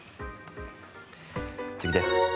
次です。